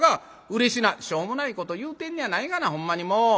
「しょうもないこと言うてんのやないがなほんまにもう。